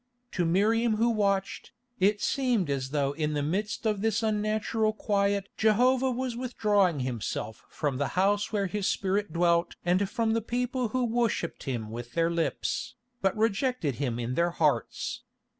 To Miriam who watched, it seemed as though in the midst of this unnatural quiet Jehovah was withdrawing Himself from the house where His Spirit dwelt and from the people who worshipped Him with their lips, but rejected Him in their hearts.